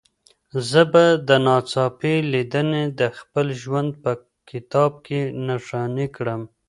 زه به دا ناڅاپي لیدنه د خپل ژوند په کتاب کې نښاني کړم.